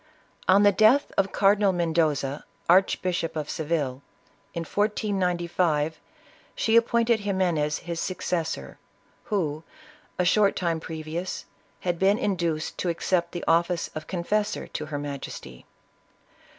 On the death of Cardinal Mendoza, Archbishop of Seville, in 1495, she appointed Ximenes his successor, who, a short time previous, had been induced to accept the office of confessor to her majesty.